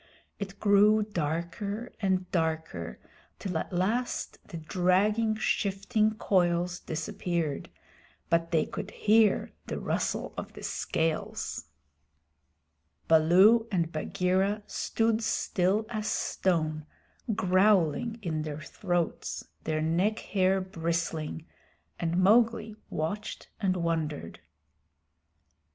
It grew darker and darker, till at last the dragging, shifting coils disappeared, but they could hear the rustle of the scales. Baloo and Bagheera stood still as stone, growling in their throats, their neck hair bristling, and Mowgli watched and wondered.